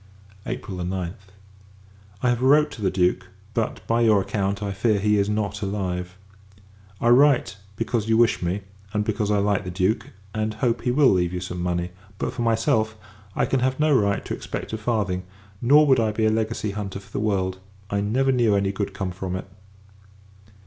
April 9th. I have wrote to the Duke; but, by your account, I fear he is not alive. I write, because you wish me; and, because I like the Duke, and hope he will leave you some money. But, for myself, I can have no right to expect a farthing: nor would I be a legacy hunter for the world; I never knew any good come from it.